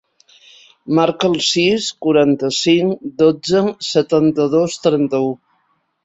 Marca el sis, quaranta-cinc, dotze, setanta-dos, trenta-u.